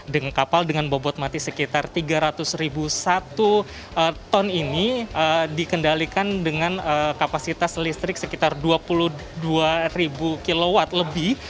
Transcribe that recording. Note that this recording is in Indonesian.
dengan kapal dengan bobot mati sekitar tiga ratus satu ton ini dikendalikan dengan kapasitas listrik sekitar dua puluh dua kw lebih